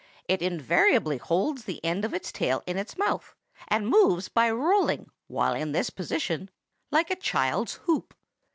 It invariably holds the end of its tail in its mouth, and moves by rolling, while in this position, like a child's hoop.